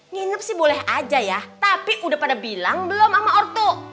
nginep sih boleh aja ya tapi udah pada bilang belum sama orto